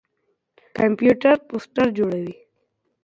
کمپيوټر پوسټر جوړوي.